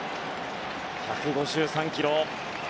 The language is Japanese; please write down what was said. １５３キロ。